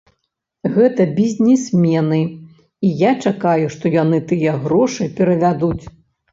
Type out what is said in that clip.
Гэта бізнесмены, і я чакаю, што яны тыя грошы перавядуць.